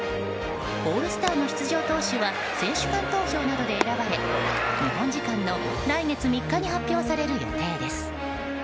オールスターの出場投手は選手間投票などで選ばれ日本時間の来月３日に発表される予定です。